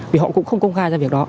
vì họ cũng không công khai ra việc đó